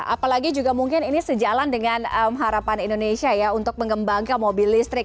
apalagi juga mungkin ini sejalan dengan harapan indonesia ya untuk mengembangkan mobil listrik